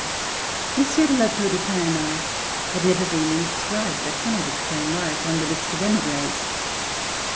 Monsieur de La Tour du Pin and I had never been inscribed, I cannot explain why, upon the list of emigres.